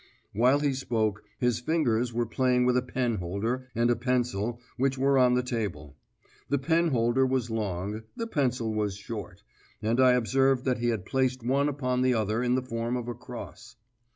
While he spoke, his fingers were playing with a penholder and a pencil which were on the table; the penholder was long, the pencil was short, and I observed that he had placed one upon the other in the form of a cross.